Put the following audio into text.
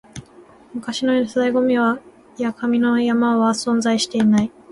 昔のように粗大ゴミや紙の山は存在していない